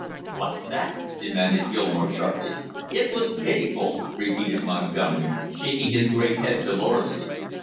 "What's that?" demanded Gilmore sharply. "It was pitiful!" repeated Montgomery, shaking his great head dolorously.